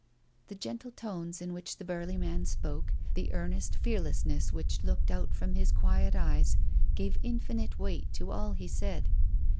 The gentle tones in which the burly man spoke, the earnest fearlessness which looked out from his quiet eyes, gave infinite weight to all he said.